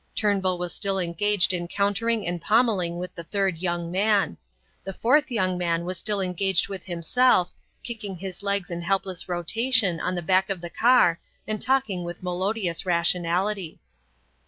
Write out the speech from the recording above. Turnbull was still engaged in countering and pommelling with the third young man. The fourth young man was still engaged with himself, kicking his legs in helpless rotation on the back of the car and talking with melodious rationality.